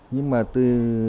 nhưng mà từ